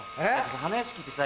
花やしきってさ